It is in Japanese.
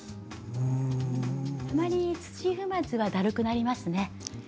たまに土踏まずはだるくなりますね。